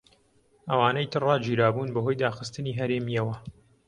ئەوانەی تر ڕاگیرابوون بەهۆی داخستنی هەرێمیەوە.